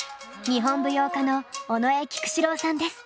日本舞踊家の尾上菊紫郎さんです。